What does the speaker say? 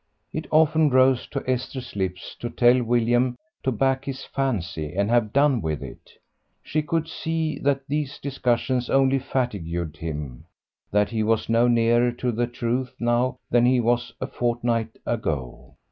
It often rose to Esther's lips to tell William to back his fancy and have done with it; she could see that these discussions only fatigued him, that he was no nearer to the truth now than he was a fortnight ago.